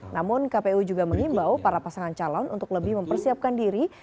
namun kpu juga mengimbau para pasangan calon untuk lebih mempersiapkan diri